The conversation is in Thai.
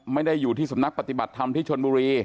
ไม่ได้อยู่ที่สำนักปฏิบัติธรรมที่ชนบุรี